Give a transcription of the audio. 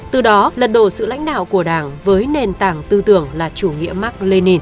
từ đó lật đổ sự lãnh đạo của đảng với nền tảng tư tưởng là chủ nghĩa mark lenin